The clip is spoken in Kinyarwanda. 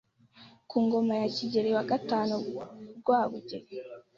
ku ngoma ya Kigeli wa wa gatanu Rwabugiri,